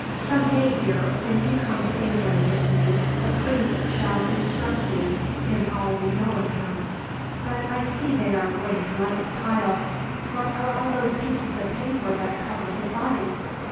"Some day, dear, when you come to England with me, a priest shall instruct you in all we know of Him. "But I see they are going to light the pile. What are all those pieces of paper that cover his body?"